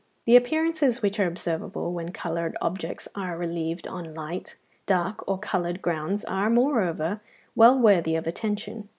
The appearances which are observable when coloured objects are relieved on light, dark, or coloured grounds are, moreover, well worthy of attention.